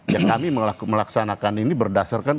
ya kami melaksanakan ini berdasarkan